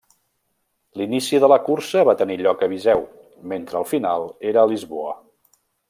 L'inici de la cursa va tenir lloc a Viseu, mentre el final era a Lisboa.